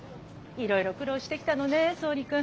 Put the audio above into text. いろいろ苦労してきたのね総理君。